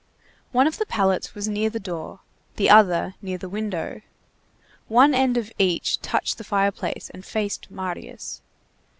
One of the pallets was near the door, the other near the window. One end of each touched the fireplace and faced Marius.